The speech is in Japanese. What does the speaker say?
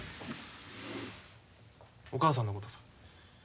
お母さんのことさ。